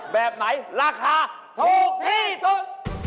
แบบไหนราคาถูกที่สุด